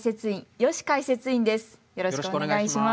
よろしくお願いします。